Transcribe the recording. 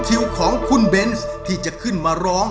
เกิดเสียแฟนไปช่วยไม่ได้นะ